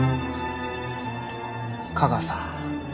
架川さん